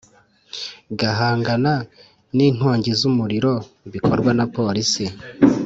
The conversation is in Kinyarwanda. Guhangana n ‘inkongi z ‘umiriro bikorwa na polisi.